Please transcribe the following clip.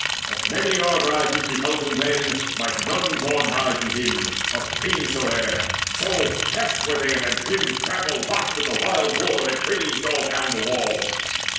Of many Argives which beheld him then Might none draw nigh to him, how fain soe'er, So fast were they in that grim grapple locked Of the wild war that raged all down the wall.